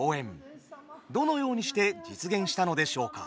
どのようにして実現したのでしょうか。